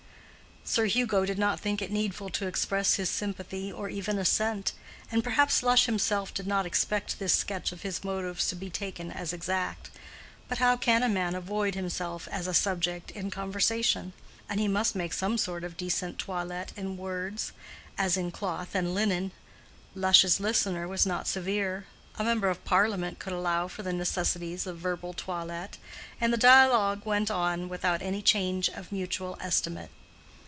Sir Hugo did not think it needful to express his sympathy or even assent, and perhaps Lush himself did not expect this sketch of his motives to be taken as exact. But how can a man avoid himself as a subject in conversation? And he must make some sort of decent toilet in words, as in cloth and linen. Lush's listener was not severe: a member of Parliament could allow for the necessities of verbal toilet; and the dialogue went on without any change of mutual estimate.